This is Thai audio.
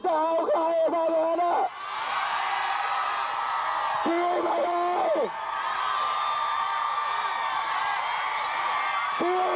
ใครจะถือผมออกจากเรือ